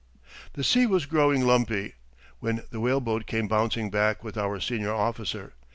The sea was growing lumpy when the whale boat came bouncing back with our senior officer.